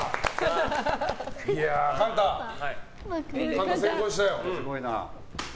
貫汰、成功したよ。